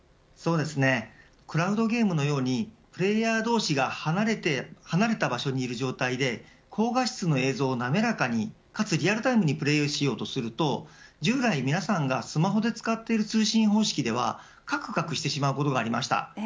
クラウドゲームのようにプレーヤー同士が離れた場所にいる状態で高画質の映像を滑らかにかつ、リアルタイムにプレーしようとすると従来、皆さんがスマホで使っている通信方式ではかくかくしてしまうことがありました。